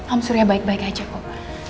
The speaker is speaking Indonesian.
om surya baik baik aja kok